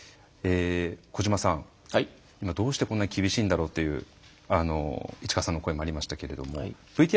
小島さんどうしてこんなに厳しいんだろうという市川さんの声もありましたけどもＶＴＲの方は３級。